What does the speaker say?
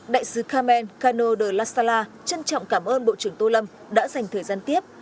đại sứ carmen cano de la sala trân trọng cảm ơn bộ trưởng tô lâm đã dành thời gian tiếp